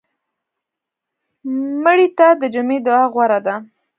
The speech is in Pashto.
مړه ته د جمعې دعا غوره ده